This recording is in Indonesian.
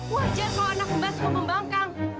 wajar kalau anak mbak suka pembangkang